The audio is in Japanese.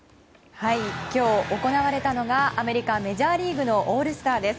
今日行われたのはアメリカ・メジャーリーグのオールスターです。